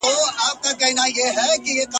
که لوڅ مخي سولې حوري د کابل او بدخشان !.